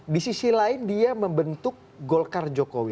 di sisi lain dia membentuk golkar jokowi